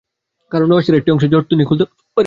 কারণ রহস্যের একটি অংশের জুট তিনি খুলতে পারেন নি।